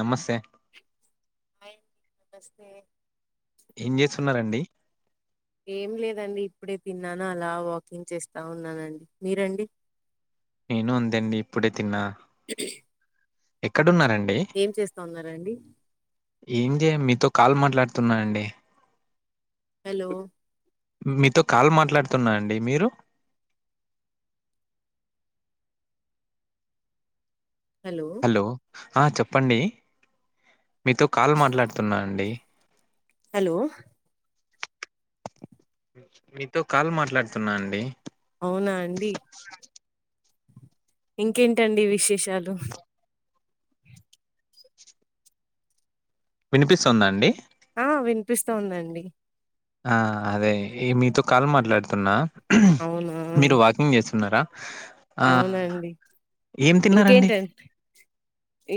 నమస్తే నమస్తే ఏం చేస్తున్నారండి ఏం లేదండి ఇప్పుడే తిన్నాను అలా వాకింగ్ చేస్తా ఉన్నానండి మీరండి నేను అంతే అండి ఇప్పుడే తిన్నా [inaudible] ఎక్కడున్నారండి ఏం చేస్తా ఉన్నారండి ఏం చేయం మీతో కాల్ మాట్లాడుతున్నానండి హలో! మీతో కాల్ మాట్లాడ్తున్న అండి, మీరు? హలో! ఆ చెప్పండి మీతో కాల్ మాట్లాడ్తున్నా అండి. హలో! మీతో కాల్ మాట్లాడ్తున్నా అండి. అవునా అండి ఇంకేంటండి విశేషాలు వినిపిస్తుందండి ఆ విన్పిస్తోందండి. ఆ అదే మీతో ఈ కాల్ మాట్లాడుతున్నా అవునా మీరు వాకింగ్ చేస్తున్నరా అవునండి ఏం తిన్నారండి ఇంకేంటం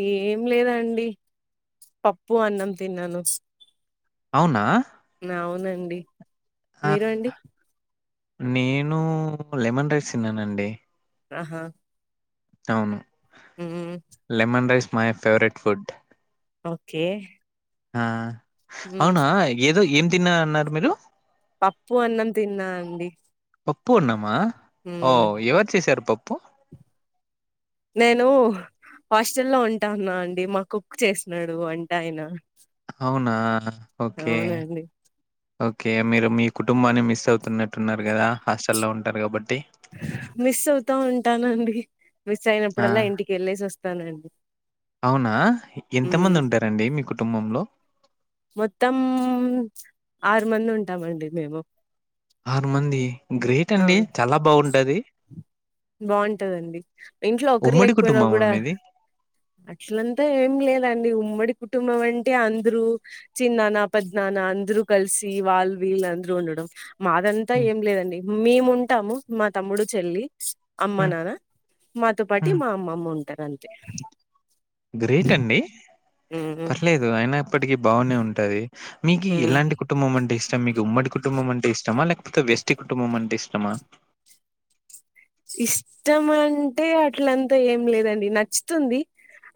ఏం లేదండి పప్పు, అన్నం తిన్నాను. అవునా అవునండి మీరు అండి నేనూ లెమన్ రైస్ తిన్ననండి. అహ అవును lemon rice my favourite food. Okay ఆ ఉమ్, అవునా ఏదో ఏం తిన్నా అన్నారు మీరు? పప్పు, అన్నం తిన్నా అండి. పప్పు అన్నమా ఓ ఉమ్, ఎవర్ చేసారు పప్పు నేను హాస్టల్లో ఉంటాన్నా అండి మా కుక్ చేసినాడు వంట ఆయన అవునా ఓకే అవునండి ఓకే మీరు మీ కుటుంబాన్ని మిస్ అవుతున్నట్టున్నారు గదా హాస్టల్లో ఉంటారు కాబట్టి మిస్ అవుతా ఉంటానండి మిస్ ఆ అయినప్పుడల్లా ఇంటికెళ్ళేస్ వస్ స్తానండి. అవునా ఎంతమంది ఉంటరండి మీ కుటుంబంలో మొత్తం ఆరు మంది ఉంటామండి మేము. ఆరు మంది గ్రేట్ అండి అవును చాలా బాగుంటది. బాగుంటదండి ఇంట్లో ఒకర్ ఉమ్మడి లేకపోయినా కుటుంబమా గుడా మీది అట్లంతా ఏం లేదండి. ఉమ్ ఉమ్మడి కుటుంబం అంటే అందరూ చిన్నాన, పెద్నాన అందరు కల్సి వాల్ వీల్ అం రూ ఉండడం. మాదంతా హ్మ్, ఏం లేదండి మేం ఉంటాము మా తమ్ముడు, చెల్లి. అమ్మ, హ్మ్, నాన్న మాతో పాటి హ్మ్. మా అమ్మమ్మ ఉంటర్ అంతే గ్రేట్ అండి. మ్మ్ పర్లేదు అయిన ఇప్పటికిీ బాగునే ఉంటది. మీకి మ్మ్ ఎలాంటి కుటుంబం అంటే ఇష్టం మీకు ఉమ్మడి కు కుటుంబం అంటే ఇష్టమా లేకపోతే వెస్టి కుటుంబం అంటే ఇష్టమా? ఇష్టంమంటే అట్లంత ఏం లేదండి నచ్చుతుంది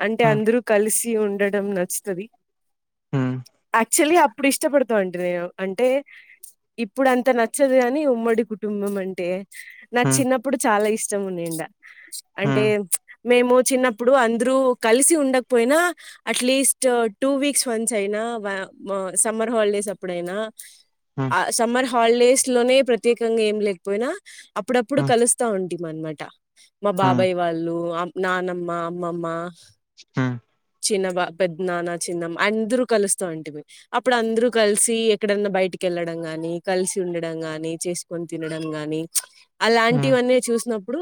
అంటే హ్మ్. అందరూ కల్సి ఉండడం నచ్చుతది. హ్మ్. యాక్చువల్లీ అప్పుడు ఇష్టపడుతా ఉంటి నేను అంటే ఇప్పుడంత నచ్చదు గని ఉమ్మడి కుటుంబం అంటే నా హ్మ్. చిన్నప్ ప్పుడు చాలా ఇష్టం ఉనిండ అంటే హ్మ్. మేము చిన్నప్పుడు అందరూ కల్సి ఉండక్ పోయినా అట్లీస్ట్ టూ వీక్స్ వన్సయినా వా సమ్మర్ హాల్డేస్ అప్పుడైనా హ్మ్. ఆ సమ్మర్ హాల్డేస్లోనే ప్రత్యేకంగా ఏం లేకపోయినా అప్పుడప్పుడు హ్మ్. కలుస్ ఉంటం అనమాట మా హ్మ్. బాబాయ్ వాళ్ళు నానమ్మ అమ్మమ్మ. ఉమ్. చిన్న బా పెద్ద నాన్న చిన్నమ్మ అందరు కలుస్తుంటిమి అప్పుడు అందరు కలిసి ఎక్కడైన్నా బయటికి. వెళ్ళడం కాని కలిసి ఉండడం గాని చేసుకొని తినడం గాని ప్చ్ ఆహ్. హ్మ్. ఇటివన్నీ చూసినప్పుడు.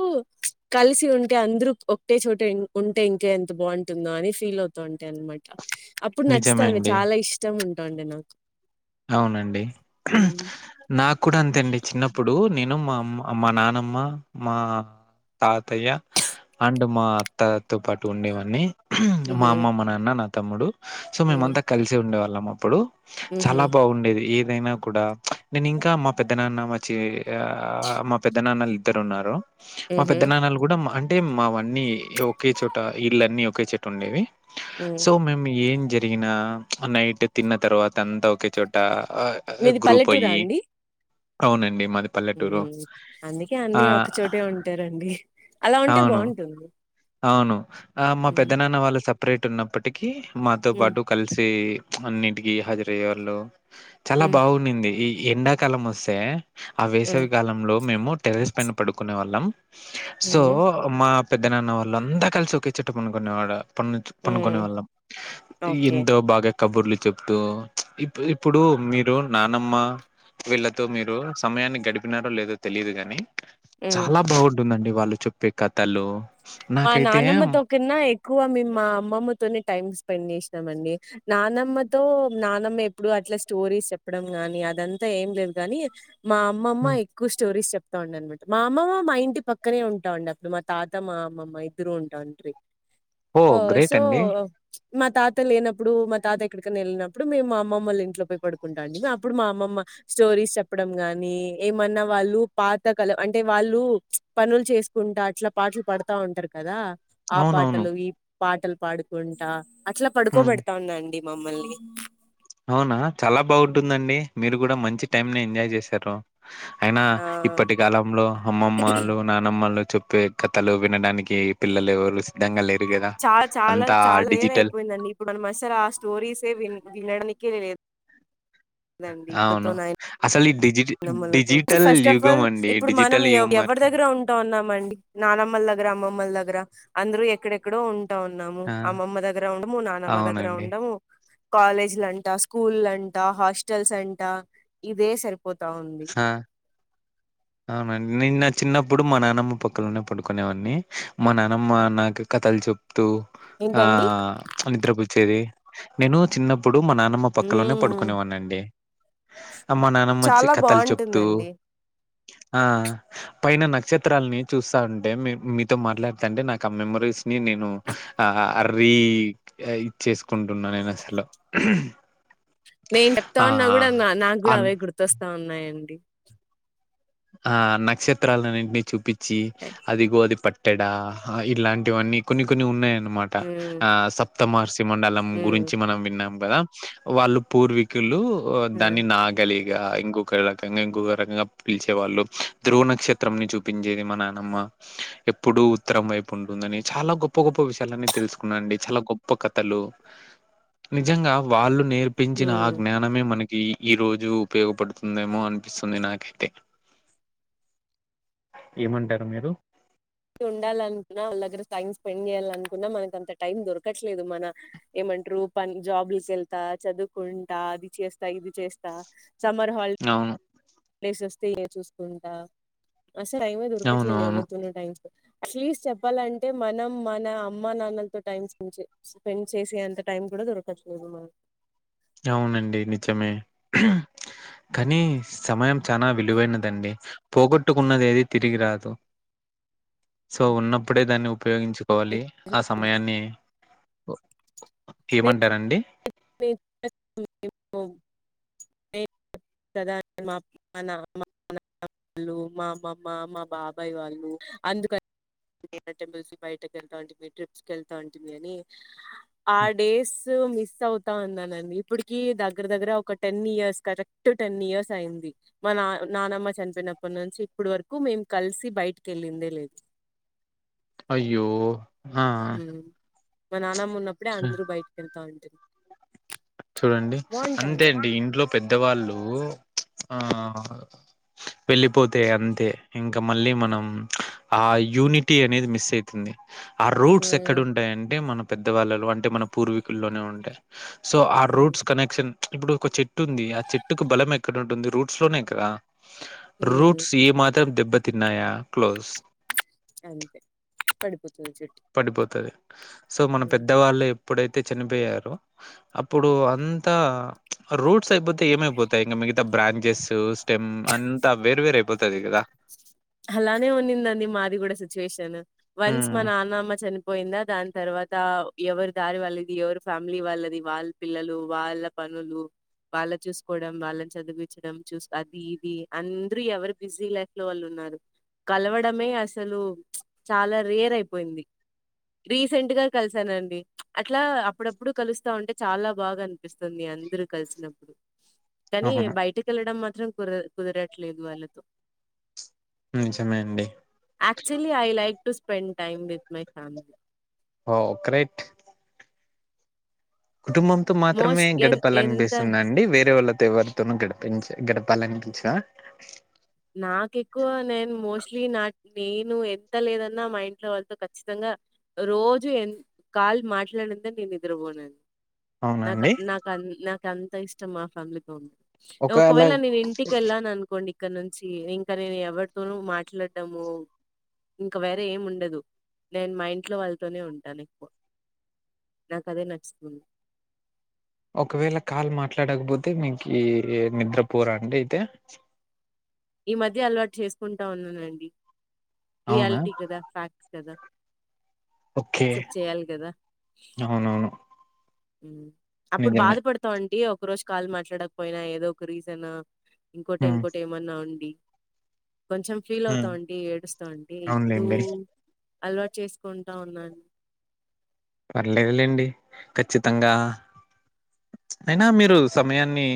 కలిసి ఉంటే అందరు ఒకటే చోట ఉంటే ఇంకే ఎంత బాగుంటుందో అని ఫీల్ అవుతా ఉంటి అనమాట. అప్పుడు నిజమే నచ్చుతుంది అండి. చాలా ఇష్టం ఉంటుంది నాకు. అవునండి హ్మ్. నాకు కూడా అంతే అండి చిన్నప్పుడు నేను. నానమ్మ మా అమ్మ మా నానమ్మ మా. తాతయ్య అండ్ మా అత్తతో పాటు ఉండేవన్నీ. మా హుహు. అమ్మ మా నాన్న నా తమ్ముడు సో హ్మ్. మేమంతా కలిసి ఉండేవాళ్ళం అప్పుడు. హుహు. చాలా బాగుండేది ఈ. ఏదైనా కూడా ప్చ్ నేను ఇంకా మా పెద్దనాన్న మచ్చి ఆహ్ మా పెద్ద నాన్నలు ఇద్దరు ఉన్నారు. మా హుహు. పెద్ద నాన్నలు కూడా అంటే మావన్నీ ఒకే చోట ఇళ్ళన్నీ ఒకే చోట ఉండేవి. హ్మ్. సో మేము ఏం జరిగినా నైట్ తిన్న తర్వాత అంతా ఒకే చోట. ఆహ్ మీది గ్రూప్ అయి అవునండి మా. ఉమ్ అందుకే అన్ని ఒకచోటే ఉంటారండి అలా ఉంటే అవును. బాగుంటుంది. అవును ఆహ్ మా పెద్దనాన్న వాళ్ళు సపరేట్ ఉన్నప్పటికీ మాతో హ్మ్. పాటు కలిసి. అన్నింటికిీ హాజరయ్యే వాళ్ళు చాలా హ్మ్. బాగున్నింది ఈ ఎండాకాలం వస్తే. ఆ హ్మ్. వేసవి కాలంలో మేము టెరెస్ పైన పడుకునే వాళ్ళం సో హ్మ్ మా. పెద్దనాన్న వాళ్ళు అంతా కలిసి ఒకేచోట పడుకునేవాళ్లం. పను పండుకునే హ్మ్ వాళ్ళం ఓకే. ఎంతో బాగా. కబుర్లు చెప్తూ ఫ్చ్ ఇప్పు ఇప్పుడు మీరు నానమ్మ. వీళ్ళతో మీరు సమయాన్ని గడిపినారో లేదో తెలియదు గాని. హ్మ్. చాలా బాగుంటుందండి వాళ్ళు చెప్పే కథలు. మా నాకైతే నానమ్మతోకన్నా ఎక్కువ మేము మా అమ్మమ్మతోనే టైమ్ స్పెండ్ చేసాం. అండి నానమ్మతో నానమ్మమేప్పుడు అట్లా స్టోరీస్ చెప్పడం గాని అదంతా ఏం లేదు కాని మా అమ్మమ్మ ఎక్కువ స్టోరీస్ చెప్. వస్తవుండే అనమాట మా అమ్మమ్మ మా ఇంటి పక్కనే ఉంటుండే అప్పుడు మా తాత మా అమ్మమ్మ ఇద్దరు ఉంటాండ్రి. ఓ ఆహ్ గ్రేట్ సో. అండి మా తాత లేనప్పుడు మా తాత ఎక్కడికైనా వెళ్ళినప్పుడు మేము మా అమ్మమ్మ వాళ్ళ ఇంట్లో పోయి పడుకుంటాండి అప్పుడు మా అమ్మమ్మ. స్టోరీస్ చెప్పడం గాని ఏమన్నా వాళ్ళు పాత కళ అంటే వాళ్ళు ఫ్చ్ పనులు చేస్. కుంటా అట్లా పాటలు పాడుతా ఉంటారు కదా ఆ అవునవును పాటలు ఈ పాటలు పాడుకుంటా. అట్లా హ్మ్. పడుకోబడతా ఉందండి మమ్మల్ని. అవునా చాలా బాగుంటుందండి మీరు కూడా మంచి టైమ్ ని ఎంజాయ్ చేశారు. అయినా ఆ ఇప్పటి కాలంలో అమ్మమ్మలు నానమ్మలు చెప్. ఈ కథలు వినడానికి పిల్లలు ఎవరు సిద్ధంగా లేరు. కదా చాల చాలా అంతా చాలా రేర్ డిజిటల్ అయిపోయిందండి ఇప్పుడు మనం అస్సలు ఆ స్టోరీసే విన్ వినడానికి. కేరేలేదు. ఆహ్ అవును అసలు ఇది. నానమ్మలతో అసలు ఫస్ట్ ఆఫ్ ఆల్ ఇప్పుడు మనం డిజిటల్ ఎవ యుగం ఎవరి మారిపోయింది. దగ్గర ఉంటా ఉన్నాంమండి నానమ్మల. గ్గర అమ్మమ్మల దగ్గర అందరు ఎక్కడెక్కడో ఉన్. టా ఉన్నాము ఆ! అమ్మమ్మ దగ్గర ఉండము నాన్నమ్మ దగ్గర అవునండి. ఉండము. కాలేజ్లాంటా స్కూల్లాంట హాస్టల్స్ అంట ఇదే సరి. ఆహ్ అవునండి నిన్న. చిన్నప్పుడు మా నానమ్మ పక్కలోనే పడుకునేవాన్ని మా నానమ్మ నాకు కథలు చోప్ తు ఆ ఏంటండి ప్చ్ నిద్ర బూచ్చేది నేను చిన్నప్ ప్పుడు మా నానమ్మ పక్కలోనే ఉమ్ పడుకునేవాన్ నన్నండి అమ్మ నానమ్మా చ్చి బాఉంటుందండి ఆ పైన నక్షత్రాల్నీ చూస్స ఉంటే మీ మీతో మాట్లాడతంటే నాక్ ఆ మెమరీస్ ని నేను ఆ ర్రీ ఇద్ చేసుకుంటున్నా నేన్ అస్సలు నేన్ చెప్తా ఉన్నా గూడా నా అ నాగూడా అవే గుర్తొస్తా ఉన్నాయండి ఆ నక్షత్రాలన్ నింటినీ చూపిచ్చి అదిగో అది పట్ ట్టెడ ఆ ఇలాంటివన్నీ కొన్ని కొన్ని ఉన్నాయన్ మాట ఉమ్ ఆ సప్తమర్స్ తిమండలమ్ ఉమ్ గురించి మనం విన్నాం గదా వాళ్ళు పూర్వీకులు ఓ ఆ, దాన్ని నాగలి గ ఇంగోగ్ రకంగా ఇంకోగ్ రకగ పిల్ చి ఇగ వాళ్ళు ధ్రువ్ నక్షేత్రమ్ ని చూపింజేది మా నానమ్మ ఎప్పుడు ఉత్తరం వైపు ఉంటుందని చాలా గొప్ప గొప్ప విషాలన్ని తెల్స్ కున్నండి చాలా గొప్ప కథలు నిజంగా వాళ్ళు నేర్పించిన ఆ ఉమ్ జ్ఞానమే మనకి ఈ ఈ రోజు ఉపయోగపడుతుందేమో అన్ పిస్సుంది నాకేతే ఏమంటరు మీరు టు ఉండాలన్న వాల్ దగ్గర టైం స్పెండ్ జేయ్ లకున్నా మనక్ అంత టైం దొరకట్లేదు మన ఏమ అంట్రు పన్ జాబూల్ కేల్ ళ్తా చదుకుంటా అద్ చేస్తా ఇది చేస్తా సమ్మర్ హాల్ అవును డేసోస్తే ఏ చూసుకుంటా అస్సే టైమే దొరకట్లేదు అవునవును ఎవర్ తోనీ టైమ్ అట్లీస్ట్ చెప్పాలంటే మనం మన అమ్మా నానల్ తో టైమ్ స్పెండ్ చే స్ స్పెండ్ చేసే అంత టైమ్ గూడా దొరకట్లేదు మ ఔనండి నిజమే కనీ సమయం చానా విలువైనదండి పోగొట్టుకున్నది ఏది తిరిగి రాదు సో ఉన్నప్పుడే దాన్ని ఉప్ పోయెంచుకోవాలి ఆ సమయాన్ని ఓ ఏమంటారండి. పెవ్ పోవ్ ఎమ్ కదాన్ మామ్ మన అమ్మ నా ఆ ళ్ళు మా అమ్మమ్మ మా బాబాయివాళ్లు అందుకన్ ఏ నా టెంపుల్సు బైట కెల్ థాంటే ట్రిప్స్ కెల్ థాంటిమ్ అని ఆ డేసు మిస్ ఔత్ తన్నానండి ఇపుడుకీ దగ్గర దగ్గర ఒక ten years correct ten years ఐది మనాన్ నానమ్మ చన్ పేయ్ నప్పన్ నుంచి ఇప్పడు వరుకు మేమ్ కల్సి బైట్ కేళ్ళిందే లెద్ అయ్యో ఆ ఉమ్ మా నాన్నమ్మ ఉన్నప్పుడే చు అందరు బైట్ కేల్థాంటే చూడండి ఉండే అంతెండి ఇంట్లో పెద్దవాళ్ళు ప్చ్ ఆ ఆ ఆ వెళ్ళిపోతె అంతే ఇంకా మళ్ళీ మనమ్ హ్ ఆ యూనిటీ అనేది మిస్ ఐతుంది. ఆ రూట్స్ హ్మ్. ఎక్కడుంటాయంటే మన పెద్దవాళ్ళలో అంటే మన పూర్వీకుల్లోనే ఉంటాయ్ సో ఆ హ్మ్. రూట్స్ కనెక్షన్ ప్చ్ ఇప్పుడు ఒక్ చెట్టుంది ఆ చెట్టుకు బలమేక్కడుంటుంది రూట్స్ లోనేకదా హ్మ్. రూట్స్ ఈ మాత్రం దెబ్బతిన్నాయా క్లోజ్. అంతే పడిపోతుంది పడిపోతది హ్ సో మన చెట్టు పెద్ద వాళ్ళే. ప్పుడైతే చనిపోయారో అప్పుడు అంతా ప్చ్ ఆ రూట్ స్ ఐబోతే ఏమైపోతాయి ఇంగ మిగతా బ్రాంజెస్సు స్టెమ్ అంతా వేరు వేరు ఐపోతది గదా. అలానే ఉన్నిందండి మాది గూడా సిచ్యువేషన్. వన్స్ మా హ్మ్ నాన్నామా చ చనిపోయిందా దాని తర్వాత ఎవరి దారి వాళ్ళది ఎవరి ఫ్యామిలీ వాళ్ళది వాళ్ళ పిల్లలు వాళ్ళ అ పనులు వాళ్ళ చూసుకోవడం వాళ్ళని చదివించడం చూస్ అది ఇది అందరూ ఎవరు బిజీ లైఫ్ లో వాళ్ళు ఉన్నారు కలవడమే అసలు ప్చ్ చాలా రేర్ అయిపోయింది రీసెంట్ గా కలిసానండి ప్చ్ అట్లా అప్పుడప్పుడు కలుస్తా ఉంటే చాలా బాగా అనిపిస్తుంది అందరు కలిసినప్పుడు కానీ అవును బయటికి వెళ్ళడం మాత్రం కుర కుదరట్లేదు వాళ్ళతో నిజమే అండి actually I like to spend time with my family oh great కుటుంబంతో మాత్రమే మోస్ట్‌లీ ఎన్ ఎంత గడపాలనిపిస్తుందండి వేరే వాళ్ళతో ఎవరితోను గడిపించ గడప పళనించ నాకెక్కువ నేను మోస్ట్లీ నా నేను ఎంత లేదన్నా మా ఇంట్లో వాళ్ళతో ఖచ్చితంగా రోజు ఎ కాల్ మాట్లాడిందే నేను నిద్రపోనండీ నాక్ అవునండి నాకు నాకు అంత ఇష్టం మా ఫ్యామిలీతో ఉండ ఒకవేళ ఒకవెళ నేను ఇంటికెళ్లనుకోండి ఇక్కడనుం చి ఇంకా నేను ఎవరితోనూ మాట్లాడాము ఇంక వేరే ఏం ఉండదు నేను మా ఇంట్లో వాళ్ళతోనే ఉంటాను ఎక్కువ నాకదే నచ్చుతది ఒకవేళ కాల్ మాట్లాడకపోతే మీకి నిద్రపోరాండి అయితే [unintelligible] ఈ మధ్య అలవాటు చేసుకుంటా ఉన్ననండి అవునా రియాలిటీ కదా ఫ్యాక్ట్ కదా ఓకే యాక్సెప్ట్ చేయాలి కదా అవునవును అప్పుడు నిజమే బాధపడతమండి ఒక రోజు కాల్ మాట్లాడకపోయినా ఏదో ఒక రీజన్ ఇంకోటి హ్మ్ ఇంకోటి ఏమన్నా ఉండి కొంచెం ఫీల్ హ్మ్ అవుతామండి ఏడుస్తమండి ఇప్పుడు అవునులేండి అలవాటు చేసుకుంటా ఉన్నను పర్లేదులేండి ఖచ్చితంగా అయినా మీరు సమయాన్ని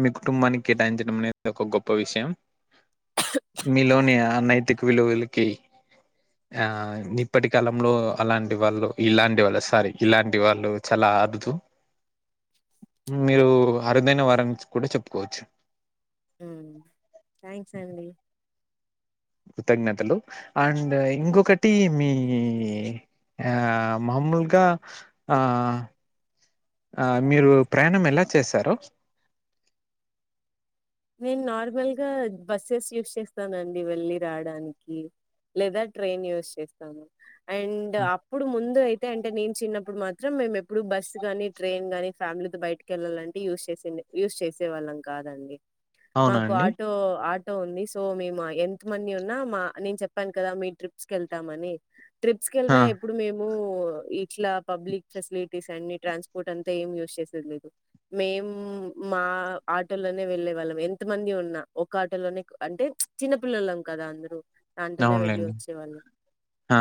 మీ కుటుంబానికి కేటాయించడం అనేది ఒక గొప్ప విషయం మీలోని ఆ నైతిక విలువలకి ఆ ఇప్పటి కాలంలో అలాంటి వాళ్ళ ఇలాంటి వాళ్ళు సారీ ఇలాంటి వాళ్ళు చాలా ఆరుదు మీరు అరుదైన వారని కూడా చెప్పుకోవచ్చు థ్యాంక్స్ అండి కృతజ్ఞతలు అండ్ ఇంకొకటి మీ ఆ మామూలుగా ఆ ఆ మీరు ప్రయాణం ఎలా చేసరు నేను నార్మల్గా బస్సెస్ యూస్ చేస్తానండి వెళ్ళి రావడానికి లేదా ట్రైన్ యూస్ చేస్తాను అండ్ అప్పుడు ముందు అయితే అయితే అంటే నేను చిన్నప్పుడు మాత్రం మేము ఎప్పుడు బస్సు గాని ట్రైన్ గానీ ఫ్యామిలీతో బయటికి వెళ్లంటే యూజ్ చేసింది యూస్ చేసేవాళ్ళం కాదండి అవునా మాకు అండి ఆటో ఆ ఉంది సో మేము ఎంత మంది ఉన్నా మా నేను చెప్పాను కదా మీ ట్రిప్స్ కి వెళ్తామని ట్రిప్స్ కి ఆ వెళ్ళిన ఎప్పుడు మేము ఇట్లా పబ్లిక్ ఫెసిలిటీస్ అ ట్రాన్స్పోర్ట్ అంతా ఏం యూజ చేసేది లేదు మేము మా ఆటల్లోనే వెళ్ళే వలం ఎంత మంది ఉన్నా ఒక ఆటలోనే అంటే చిన్నపిల్లలం కదా దాంటలోనే వెళ్ళి అవునులేండి వచ్చేవాళ్ళు ఆ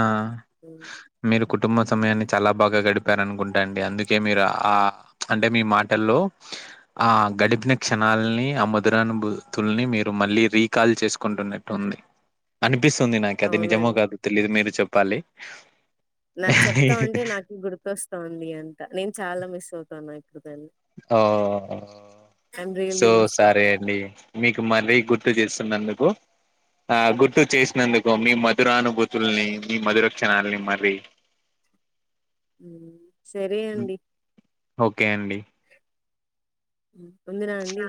మీరు కు కుటుంబ సమయాన్ని చాలా బాగా గడిపార అనుకుంటాండి అందుకే మీరు ఆ అంటే మీ మాటల్లో ఆ గడిపిన క్షణాలని ఆ ముదురానుభూతుల్ని మీరు మళ్ళీ రీకాల్ చేసుకుంటున్నట్టు టుందీ అనిపిస్తుంది నాకు అది నిజమో అవునండి. కాదు తెలిదు మీరు చెప్పాలి నాకు చెప్తామంటే నాకు గుర్తొస్తుంది అంత నేను చాలా మిస్ అవుతాను ఇప్పుడు దాన్ని. Oh I am so really missing. సరే అండి మీకు మళ్ళీ గుర్తు చేస్త నందుకు ఆ గుర్తు చేసినందుకో మీ మధురానుభూతుల్ని మీ మధుర కషణాలని మరి ఉ ఓకే అండి పందిరా అండి